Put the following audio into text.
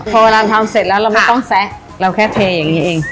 พอเวลาทำเสร็จแล้วเราไม่ต้องแซะเราแค่เทอย่างนี้เอง